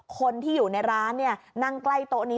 คนที่อยู่ในร้านนั่งใกล้โต๊ะนี้